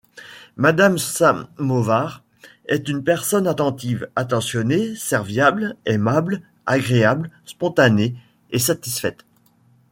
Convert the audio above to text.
Madame Samovar est une personne attentive, attentionnée, serviable, aimable, agréable, spontanée et satisfaite.